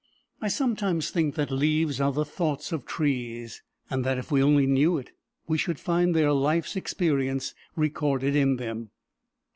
I sometimes think that leaves are the thoughts of trees, and that if we only knew it, we should find their life's experience recorded in them.